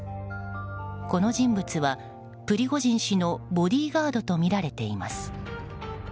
この人物は、プリゴジン氏のボディーガードとみられています。